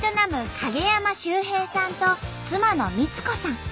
陰山修平さんと妻の三津子さん。